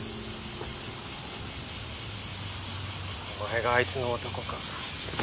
お前があいつの男か。